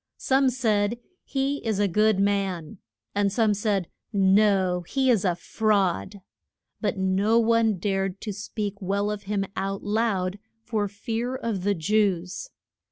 Some said, He is a good man; and some said, No, he is a fraud. But no one dared to speak well of him out loud for fear of the Jews.